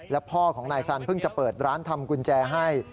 แล้วพ่อของนายสันเพิ่งจะเปิดร้านทำกุญแจให้